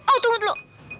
oh tunggu dulu